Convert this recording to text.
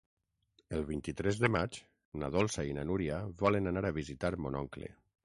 El vint-i-tres de maig na Dolça i na Núria volen anar a visitar mon oncle.